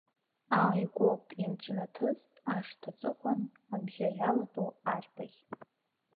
Ааигәоуп ианҿнаҭыз, ашҭа аҵыхәан, амжәа иалатәоу арбаӷь.